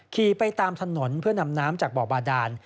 ขี่ไปตามถนนเพื่อนำน้ำจากบ่อบาดาน